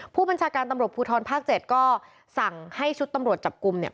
ผู้บัญชาการตำรวจภูทรภาค๗ก็สั่งให้ชุดตำรวจจับกลุ่มเนี่ย